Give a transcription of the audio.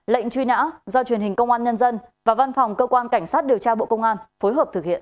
lệnh truy nã do truyền hình công an nhân dân và văn phòng cơ quan cảnh sát điều tra bộ công an phối hợp thực hiện